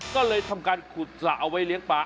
ก็เลยทำการขุดสระเอาไว้เลี้ยงปลา